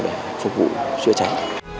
để phục vụ chữa cháy